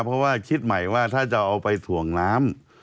เพราะว่าคิดใหม่ว่าถ้าจะเอาไปถ่วงน้ำ